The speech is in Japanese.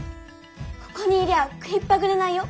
ここにいりゃ食いっぱぐれないよ。